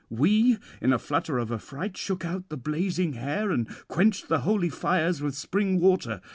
We in a flutter of affright shook out the blazing hair and quenched the holy fires with spring water.